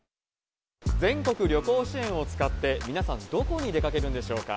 全国旅行支援を使って、皆さん、どこに出かけるんでしょうか。